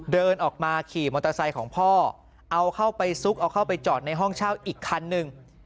เดินออกมาขี่มอเตอร์ไซค์ของพ่อเอาเข้าไปซุกเอาเข้าไปจอดในห้องเช่าอีกคันหนึ่ง